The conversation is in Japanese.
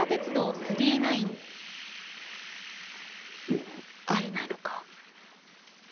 もう会えないのか。